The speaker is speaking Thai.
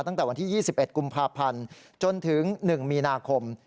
ตั้งแต่วันที่๒๑กุมภาพันธ์จนถึง๑มีนาคม